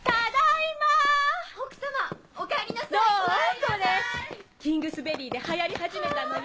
これキングスベリーで流行り始めたのよ。